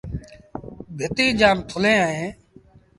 ڀتيٚن جآم ٿُلين اهيݩ۔